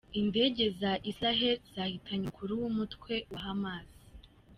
Indege za Isiraheli zahitanye umukuru w’umutwe wa Hamasi